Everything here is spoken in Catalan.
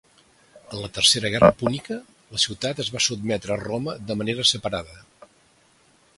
En la Tercera Guerra púnica la ciutat es va sotmetre a Roma de manera separada.